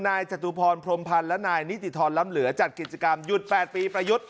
จตุพรพรมพันธ์และนายนิติธรรมล้ำเหลือจัดกิจกรรมหยุด๘ปีประยุทธ์